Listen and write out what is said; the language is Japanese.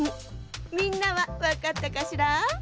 みんなはわかったかしら？